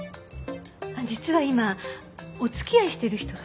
実は今お付き合いしてる人が。